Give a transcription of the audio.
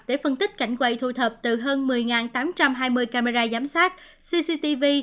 để phân tích cảnh quầy thu thập từ hơn một mươi tám trăm hai mươi camera giám sát cctv